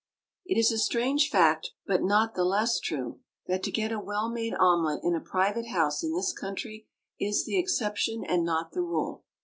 It is a strange fact, but not the less true, that to get a well made omelet in a private house in this country is the exception and not the rule.